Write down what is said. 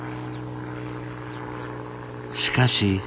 しかし。